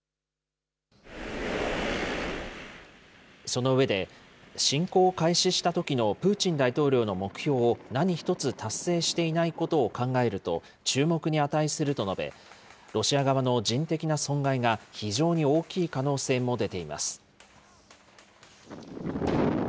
その上で、侵攻を開始したときのプーチン大統領の目標を何一つ達成していないことを考えると、注目に値すると述べ、ロシア側の人的な損害が非常に大きい可能性も出ています。